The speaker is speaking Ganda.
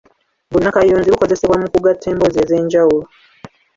Bunnakayunzi bukozesebwa mu kugatta emboozi ez’enjawulo.